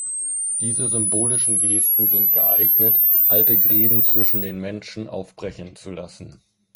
Diese symbolischen Gesten sind geeignet, alte Gräben zwischen den Menschen aufbrechen zu lassen.